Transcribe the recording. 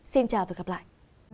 xin chào và gặp lại